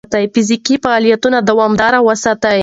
فزیکي فعالیت دوامداره وساتئ.